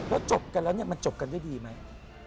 แล้วจบกันแล้วมันจบกันได้ดีไหม